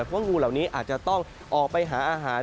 เพราะงูเหล่านี้อาจจะต้องออกไปหาอาหาร